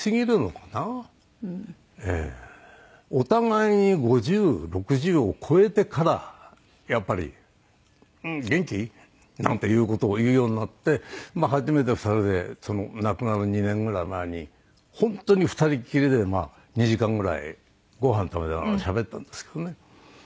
お互いに５０６０を超えてからやっぱり「元気？」なんていう事を言うようになって初めてそれで亡くなる２年ぐらい前に本当に２人きりで２時間ぐらいごはん食べながらしゃべったんですけどね。